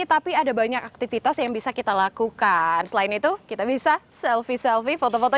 tapi ada banyak aktivitas yang bisa kita lakukan selain itu kita bisa selfie selfie foto foto